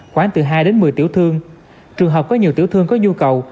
khoảng từ hai đến một mươi tiểu thương trường hợp có nhiều tiểu thương có nhu cầu